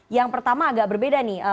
yang pertama agak berbeda nih